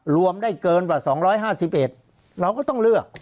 รวมได้เกินกว่า๒๕๑เราก็ต้องเลือก